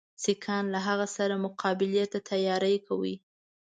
سیکهان له هغه سره مقابلې ته تیاری کوي.